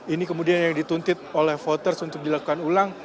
ini kemudian yang dituntut oleh voters untuk dilakukan ulang